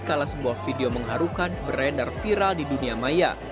karena sebuah video mengharukan beredar viral di dunia maya